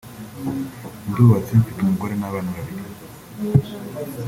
ndubatse mfite umugore n’abana babiri